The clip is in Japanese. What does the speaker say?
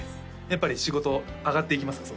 やっぱり仕事上がっていきますか？